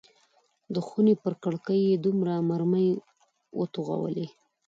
د خونې پر کړکۍ یې دوه مرمۍ وتوغولې.